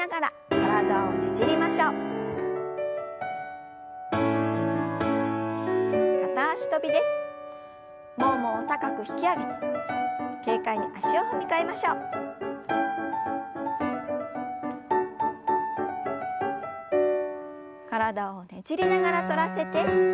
体をねじりながら反らせて斜め下へ。